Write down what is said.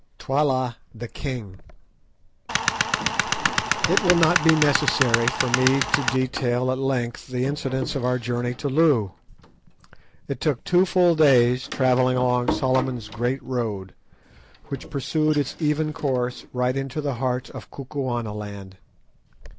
TWALA THE KING It will not be necessary for me to detail at length the incidents of our journey to Loo. It took two full days' travelling along Solomon's Great Road, which pursued its even course right into the heart of Kukuanaland.